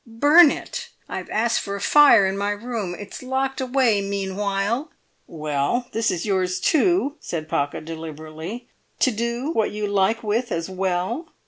"Burn it! I've asked for a fire in my room; it's locked away meanwhile." "Well, this is yours, too," said Pocket, deliberately, "to do what you like with as well."